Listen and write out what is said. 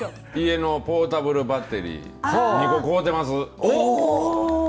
家のポータブルバッテリー２個買うてます。